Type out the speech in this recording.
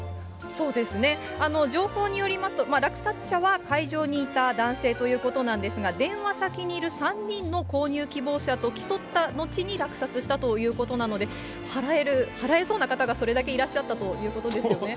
そうですね、情報によりますと、落札者は会場にいた男性ということなんですが、電話先にいる３人の購入希望者と競った後に落札したということなので、払えそうな方がそれだけいらっしゃったということですよね。